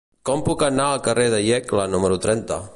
Com puc anar al carrer de Iecla número trenta?